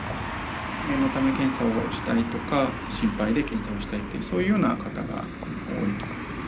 念のため検査をしたいとか、心配で検査をしたいって、そういうような方が多いと。